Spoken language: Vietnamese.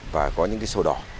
và có những sổ đỏ